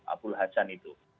abdul hassan itu